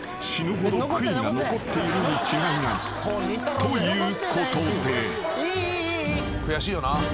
［ということで］